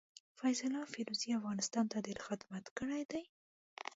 فيض الله فيروزي افغانستان ته ډير خدمت کړي دي.